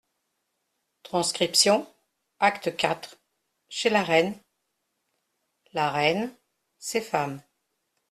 (transcription) (acte quatre) (chez la reine) La reine, ses femmes.